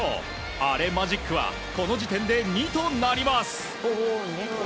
アレマジックはこの時点で２となります。